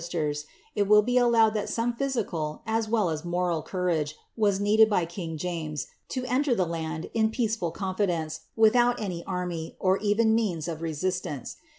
Urnit ancettors, it will be allowed that some physical, as well as morale courage, mas needed by king James to enter the land in peacefol eonfi dencet without any army, or even means of resistance.